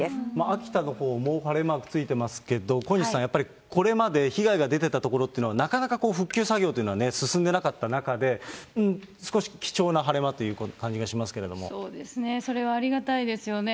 秋田のほうも晴れマークついてますけど、小西さん、やっぱりこれまで被害が出ていた所というのは、なかなかこう、復旧作業というのは進んでなかった中で、少し貴重な晴れ間という感じがしますけれどもそうですね、それはありがたいですよね。